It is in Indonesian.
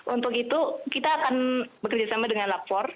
untuk itu kita akan bekerjasama dengan lapor